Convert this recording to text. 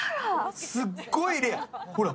すごいレア、ほら。